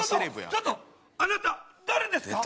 ちょっとあなた誰ですか？